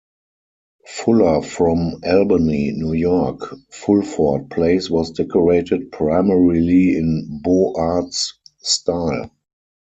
Fuller from Albany, New York, Fulford Place was decorated primarily in Beaux-Arts style.